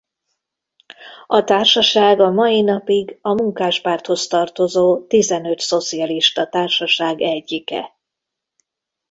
A társaság a mai napig a Munkáspárthoz tartozó tizenöt szocialista társaság egyike.